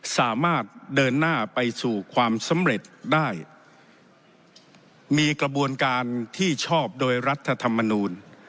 สามารถเดินหน้าไปสู่ความสำเร็จได้มีกระบวนการที่ชอบโดยรัฐธรรมนูล